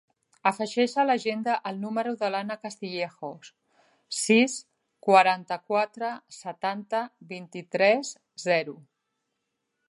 Afegeix a l'agenda el número de l'Anna Castillejo: sis, quaranta-quatre, setanta, vint-i-tres, zero.